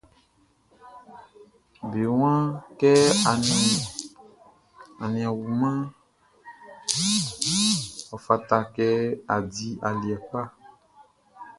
Be waan kɛ a nin a wumanʼn, ɔ fata kɛ a di aliɛ kpa.